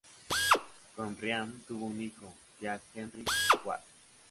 Con Ryan tuvo un hijo, Jack Henry Quaid.